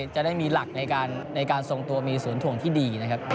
จะได้มีหลักในการทรงตัวมีศูนย์ถ่วงที่ดีนะครับ